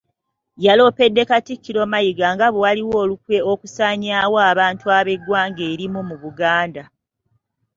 Yaloopedde Katikkiro Mayiga nga bwe waliwo olukwe okusanyaawo abantu ab’eggwanga erimu mu Buganda